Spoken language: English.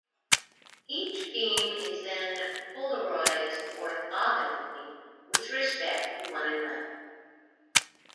Each beam is then polarized orthogonally with respect to one another.